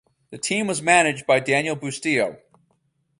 The team was managed by Daniel Bustillo.